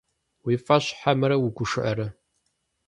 Уи фӏэщ хьэмэрэ угушыӏэрэ?